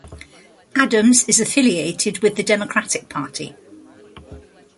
Adams is affiliated with the Democratic Party.